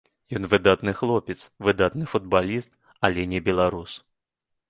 Ён выдатны хлопец, выдатны футбаліст, але не беларус.